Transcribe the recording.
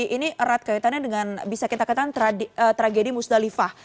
ini erat kaitannya dengan bisa kita katakan tragedi musdalifah